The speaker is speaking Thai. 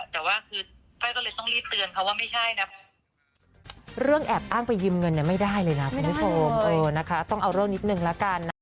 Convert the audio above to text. แต่ว่าคือแม่ก็เลยต้องรีบเตือนเขาว่าไม่ใช่นะ